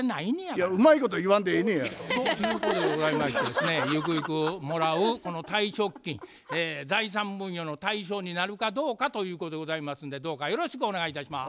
いやうまいこと言わんでええねや。ということでございましてですねゆくゆくもらうその退職金財産分与の対象になるかどうかということでございますんでどうかよろしくお願いいたします。